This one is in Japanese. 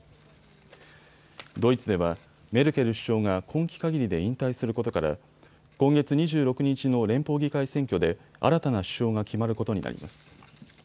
ドイツではメルケル首相が今期かぎりで引退することから今月２６日の連邦議会選挙で新たな首相が決まることになります。